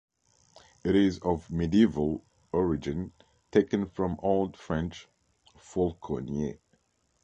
It is of medieval origin taken from Old French "faulconnier".